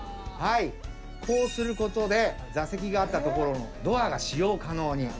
こうすることで座席があった所もドアが使用可能に。